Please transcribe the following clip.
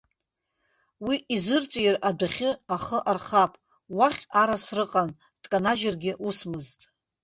Уи изырҵәир адәахьы ахы архап, уахь арасра ыҟан, дканажьыргьы усмызт.